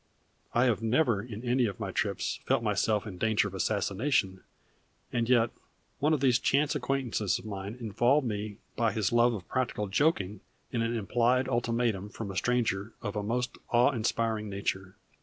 I have never in any of my trips felt myself in danger of assassination, and yet one of these chance acquaintances of mine involved me by his love of practical joking in an implied ultimatum from a stranger of a most awe inspiring nature.